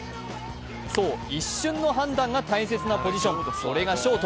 そう、一瞬の判断が大切なポジション、それがショート。